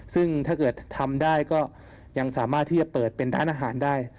ซึ่งถ้าเกิดทำได้ก็ยังสามารถที่จะเปิดเป็นร้านอาหารได้